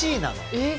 えっ？